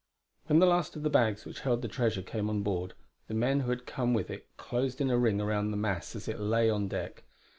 When the last of the bags which held the treasure came on board, the men who had come with it closed in a ring around the mass as it lay on deck.